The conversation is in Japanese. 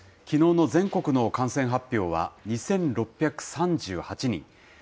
きのうの全国の感染発表は２６３８人。